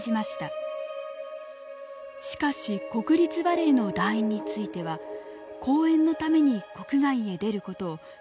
しかし国立バレエの団員については公演のために国外へ出ることを例外として認めたのです。